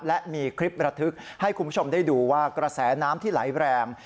และมีคลิประทึกให้คุณผู้ชมได้ดูว่ากระแสน้ำที่ไหลแรง